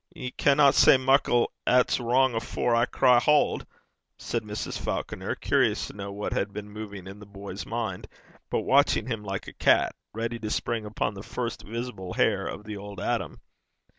Ye sanna say muckle 'at's wrang afore I cry haud,' said Mrs. Falconer, curious to know what had been moving in the boy's mind, but watching him like a cat, ready to spring upon the first visible hair of the old Adam.